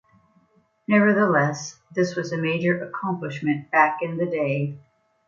Nevertheless, this was a major accomplishment back in the day.